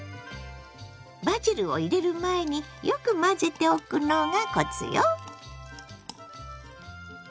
バジルを入れる前によく混ぜておくのがコツよ。